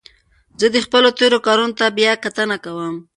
زه خپلو تېرو کارونو ته بیا کتنه کوم.